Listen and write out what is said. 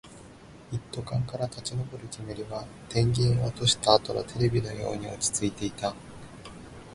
一斗缶から立ち上る煙は、電源を落としたあとのテレビのように落ち着いていた